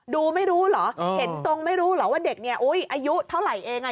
ดูไม่รู้เหรอเห็นทรงไม่รู้เหรอว่าเด็กเนี่ยอุ๊ยอายุเท่าไหร่เอง